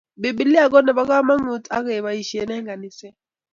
bibilia ko nebo kamangut ak kibaishen eng kaniset